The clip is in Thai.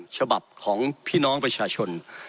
ฉบับของพี่น้องประชาชน